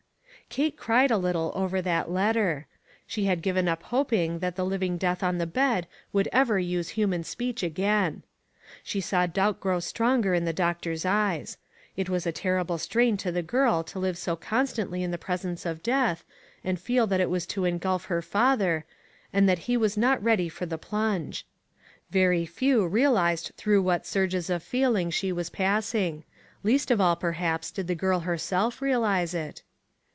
Kate cried a little over that letter. She had given up hoping that the living death on the bed would ever use human speech again. She saw doubt grow stronger in the doctor's eyes. It was a terrible strain to the girl to live so constantly in the presence of death, and feel that it was to engulf her father, and that he was not ready for the plunge. Very few realized through what surges of feeling she was passing. Least of all, perhaps, did the girl herself realize it.